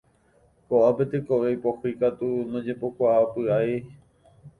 Koʼápe tekove ipohýi ikatu ndojepokuaapyaʼéi.